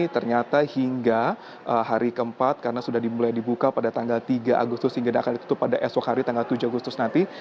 ternyata hingga hari keempat karena sudah dimulai dibuka pada tanggal tiga agustus hingga akan ditutup pada esok hari tanggal tujuh agustus nanti